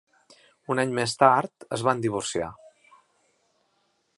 Un any més tard es van divorciar.